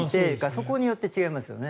そこによって違いますよね。